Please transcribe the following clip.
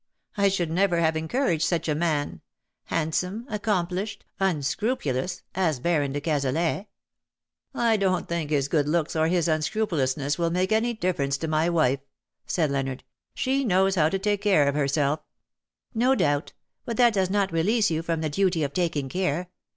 I should never have encouraged 185 such a man — handsome^ accomplished^ unscru pulous — as Baron de Cazelet.''' " I don^t think his good looks or his unscru pulousness will make any difference to my wife/^ said Leonard. *' She knows how to take care of herself/' " No doubt. But that does not release you from the duty of taking care.